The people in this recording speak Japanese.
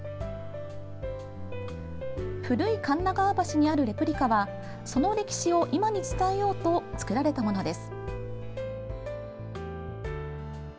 古い神流川橋にあるレプリカはその歴史を今に伝えようと作られたものです。